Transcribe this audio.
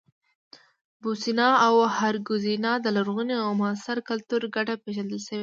بوسنیا او هرزګوینا د لرغوني او معاصر کلتور ګډه پېژندل شوې ده.